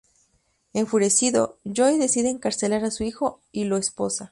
Enfurecido, Joe decide encarcelar a su hijo y lo esposa.